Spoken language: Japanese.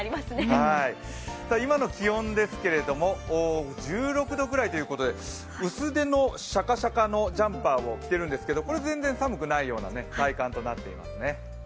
今の気温ですが、１６度ぐらいということで薄手のシャカシャカのジャンパーを着ているんですけどこれ全然寒くないような体感となっていますね。